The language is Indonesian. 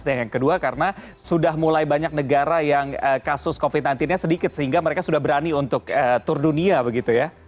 dan yang kedua karena sudah mulai banyak negara yang kasus covid nantinya sedikit sehingga mereka sudah berani untuk tur dunia begitu ya